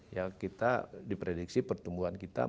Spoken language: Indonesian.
ya kita diprediksi pertumbuhan kita